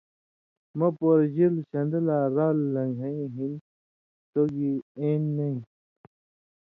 مَیں پورژِلوۡ شن٘دہ لا رال لن٘گَھیں ہِن سو گی اېن٘یۡ نَیں۔